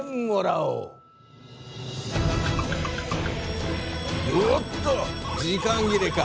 うおっと時間切れか。